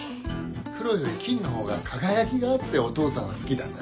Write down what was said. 黒より金のほうが輝きがあってお父さんは好きだな。